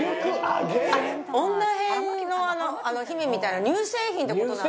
女偏の「姫」みたいなの乳製品って事なの？